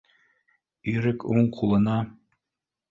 — Ирек уң ҡулына